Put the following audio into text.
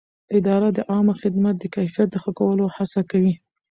اداره د عامه خدمت د کیفیت د ښه کولو هڅه کوي.